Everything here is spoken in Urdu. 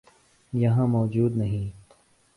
یہاں موجود نہیں۔